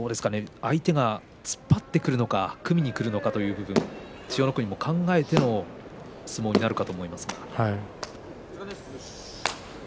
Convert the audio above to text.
相手が突っ張ってくるのか組みにくるのかというところですが千代の国も考えての相撲になるかと思います。